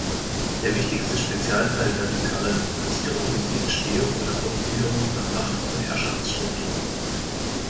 Der wichtigste Spezialfall vertikaler Differenzierung ist die Entstehung oder Aufgliederung von Macht- und Herrschaftsstrukturen.